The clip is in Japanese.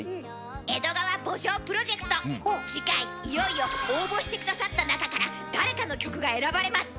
「江戸川慕情」プロジェクト次回いよいよ応募して下さった中から誰かの曲が選ばれます！